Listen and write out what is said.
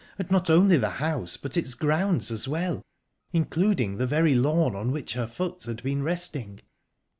And not only the house, but its grounds as well, including the very lawn on which her foot had been resting...